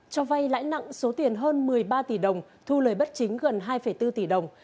cho vay lãi nặng số tiền hơn một mươi ba tỷ đồng thu lời bất chính gần hai bốn tỷ đồng